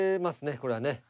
これはね